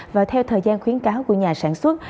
và theo thời gian khuyến cáo của nhà sản xuất